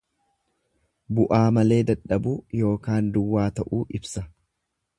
Bu'aa malee dadhabuu ykn duwwaa ta'uu ibsa